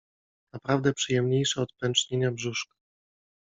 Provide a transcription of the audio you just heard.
Naprawdę przyjemniejsze od pęcznienia brzuszka.